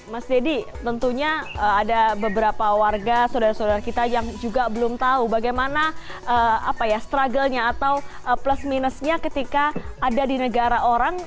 mas deddy tentunya ada beberapa warga saudara saudara kita yang juga belum tahu bagaimana struggle nya atau plus minusnya ketika ada di negara orang